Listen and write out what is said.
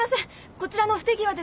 こちらの不手際です。